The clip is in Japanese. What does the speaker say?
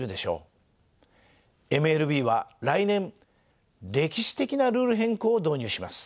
ＭＬＢは来年歴史的なルール変更を導入します。